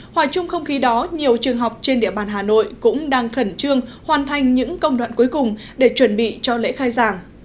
hòa chung không khí đó nhiều trường học trên địa bàn hà nội cũng đang khẩn trương hoàn thành những công đoạn cuối cùng để chuẩn bị cho lễ khai giảng